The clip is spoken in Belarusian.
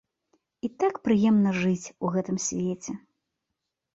І так прыемна жыць у гэтым свеце.